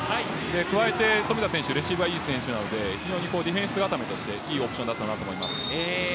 加えて、富田選手レシーブはいい選手なのでディフェンス固めとしていいポジションだと思います。